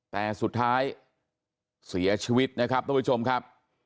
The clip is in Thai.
แต่สุดท้ายเสียชีวิตนะครับทุกผู้ชมครับ